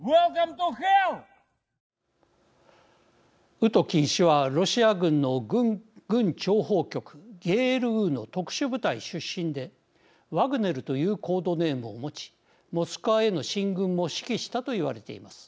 ウトキン氏はロシア軍の軍諜報局ＧＲＵの特殊部隊出身でワグネルというコードネームを持ちモスクワへの進軍も指揮したと言われています。